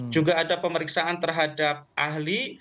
juga ada pemeriksaan terhadap ahli